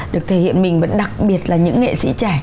được thể hiện mình và đặc biệt là những nghệ sĩ trẻ